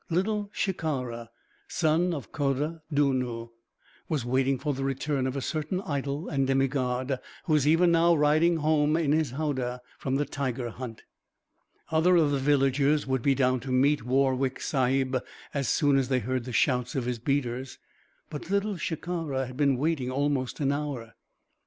Little Shikara, son of Khoda Dunnoo, was waiting for the return of a certain idol and demigod who was even now riding home in his howdah from the tiger hunt. Other of the villagers would be down to meet Warwick Sahib as soon as they heard the shouts of his beaters but Little Shikara had been waiting almost an hour.